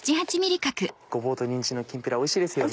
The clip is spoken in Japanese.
ごぼうとにんじんのきんぴらおいしいですよね。